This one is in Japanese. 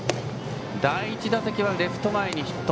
第１打席はレフト前にヒット。